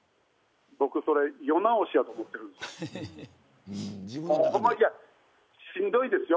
僕、それ世直しやと思ってるんです。